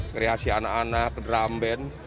kreasi anak anak drum band